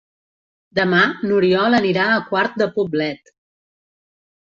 Demà n'Oriol anirà a Quart de Poblet.